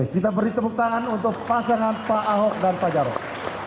kita beri tepuk tangan untuk pasangan pak ahok dan pak jarod